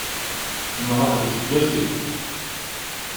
Nruḥ gefgafi!